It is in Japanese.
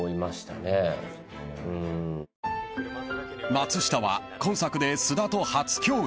［松下は今作で菅田と初共演］